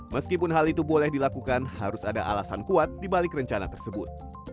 meskipun hal itu boleh dilakukan harus ada alasan kuat dibalik rencana tersebut